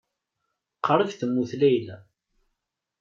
Qrib temmut Layla.